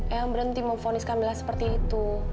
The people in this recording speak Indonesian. ayang berhenti memfonis camilla seperti itu